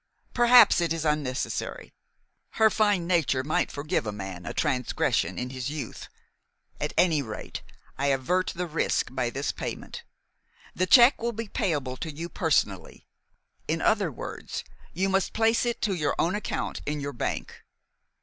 Perhaps it is unnecessary. Her fine nature might forgive a man a transgression of his youth. At any rate, I avert the risk by this payment. The check will be payable to you personally. In other words, you must place it to your own account in your bank.